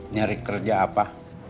nyari kerja apa